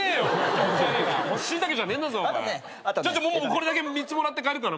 これだけ３つもらって帰るから。